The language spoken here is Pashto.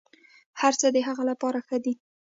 هرڅه د هغه لپاره ښه دي.